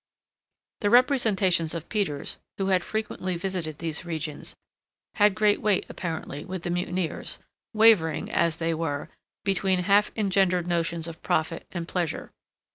The representations of Peters, who had frequently visited these regions, had great weight, apparently, with the mutineers, wavering, as they were, between half engendered notions of profit and pleasure.